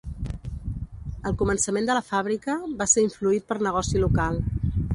El començament de la fàbrica va ser influït per negoci local.